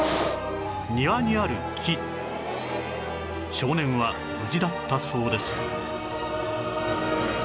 少年は無事だったそうです